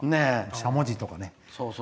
しゃもじとかね。